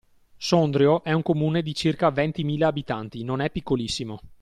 Sondrio è un comune di circa ventimila abitanti, non è piccolissimo.